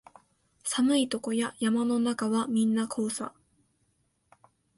寒いとこや山の中はみんなこうさ